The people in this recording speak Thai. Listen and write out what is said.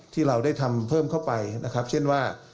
ที่เราได้ทำเพิ่มเข้าไปนะครับเช่นว่า